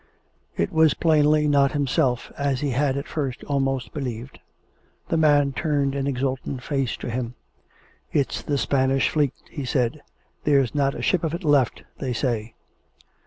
It was plainly not himself, as he had at first almost be lieved. The man turned an exultant face to him. " It's the Spanish fleet !" he said. " There's not a ship of it left, they say."